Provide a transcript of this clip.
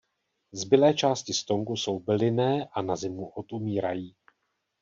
Zbylé části stonku jsou bylinné a na zimu odumírají.